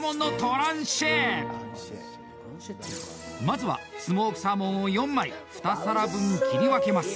まずは、スモークサーモンを４枚２皿分切り分けます。